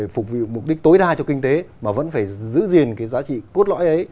phục vụ mục đích tối đa cho kinh tế mà vẫn phải giữ gìn cái giá trị cốt lõi ấy